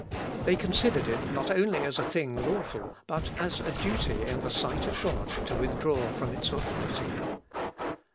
They considered it not only as a thing lawful but as a duty in the sight of God to withdraw from its authority.